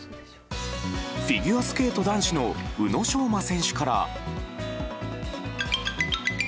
フィギュアスケート男子の宇野昌磨選手から。